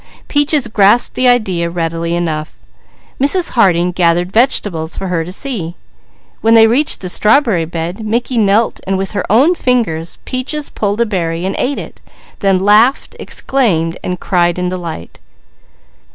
Peaches grasped the idea readily enough. Mrs. Harding gathered vegetables for her to see. When they reached the strawberry bed Mickey knelt and with her own fingers Peaches pulled a berry and ate it, then laughed, exclaimed, and cried in delight.